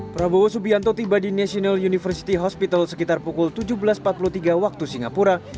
prabowo subianto tiba di national university hospital sekitar pukul tujuh belas empat puluh tiga waktu singapura